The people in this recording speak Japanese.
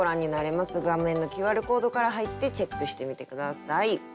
画面のＱＲコードから入ってチェックしてみて下さい。